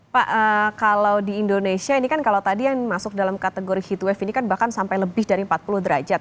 pak kalau di indonesia ini kan kalau tadi yang masuk dalam kategori heatwave ini kan bahkan sampai lebih dari empat puluh derajat